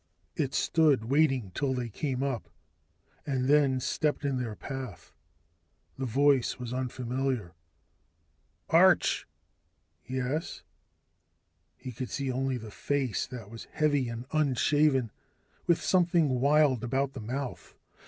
It stood waiting till they came up, and then stepped in their path. The voice was unfamiliar: "Arch?" "Yes " He could see only that the face was heavy and unshaven, with something wild about the mouth.